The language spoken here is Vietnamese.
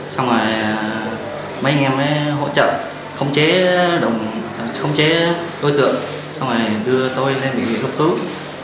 xong rồi mấy anh em hỗ trợ khống chế đối tượng xong rồi đưa tôi lên bệnh viện đa khoa long khánh